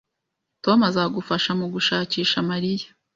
Tom azagufasha mugushakisha Mariya